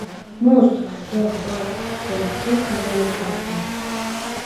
მუსჷთ შეხვადგქჷნი თის მეუხვადია